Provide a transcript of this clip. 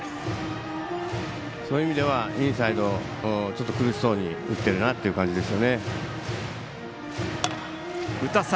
そういう意味ではインサイドちょっと苦しそうに打っているなという感じですよね。